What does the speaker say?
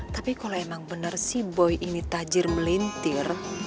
tapi kalau emang benar si boy ini tajir melintir